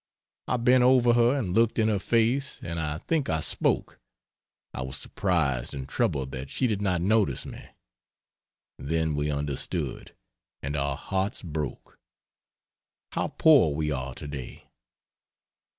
I bent over her and looked in her face, and I think I spoke I was surprised and troubled that she did not notice me. Then we understood, and our hearts broke. How poor we are today!